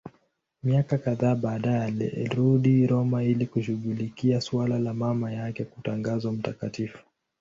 Miaka kadhaa baadaye alirudi Roma ili kushughulikia suala la mama yake kutangazwa mtakatifu.